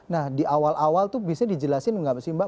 nah di awal awal itu biasanya dijelasin nggak mbak